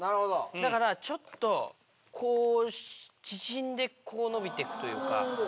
だからちょっとこう縮んでこう伸びてくというか。